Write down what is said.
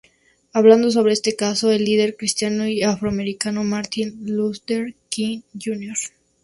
Hablando sobre este caso, el líder cristiano y afroamericano Martin Luther King Jr.